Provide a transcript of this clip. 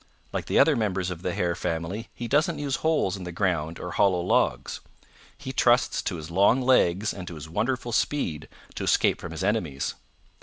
Like the other members of the Hare family he doesn't use holes in the ground or hollow logs. He trusts to his long legs and to his wonderful speed to escape from his enemies.